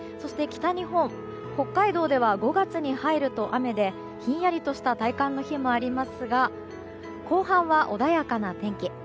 北海道では５月に入ると雨でひんやりとした体感の日もありますが後半は穏やかな天気。